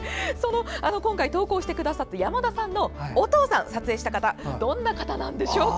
投稿してくださった山田さんのお父さん撮影した方はどんな方なんでしょうか。